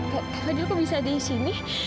kak fadil kau bisa di sini